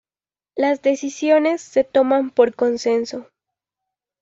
Las decisiones se toman por consenso.